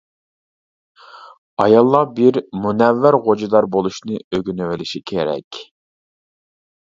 ئاياللار بىر مۇنەۋۋەر «غوجىدار» بولۇشنى ئۆگىنىۋېلىشى كېرەك.